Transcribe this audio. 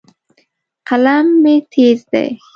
قلم مې تیز دی.